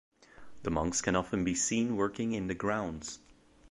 The monks can often be seen working in the grounds.